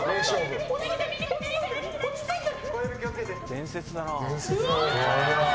伝説だな。